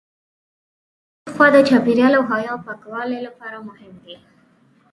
نو له بلې خوا د چاپېریال او هوا پاکوالي لپاره مهم دي.